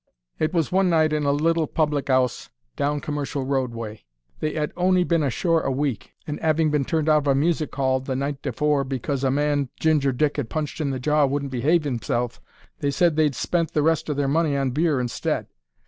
It was one night in a little public 'ouse down Commercial Road way. They 'ad on'y been ashore a week, and, 'aving been turned out of a music 'all the night afore because a man Ginger Dick had punched in the jaw wouldn't behave 'imself, they said they'd spend the rest o' their money on beer instead.